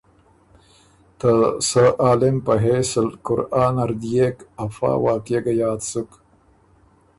ته سۀ عالم په حېث ال قرآن نر ديېک افا واقعه ګۀ یاد سُک۔